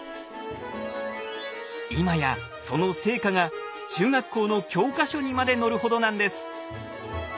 今やその成果が中学校の教科書にまで載るほどなんです。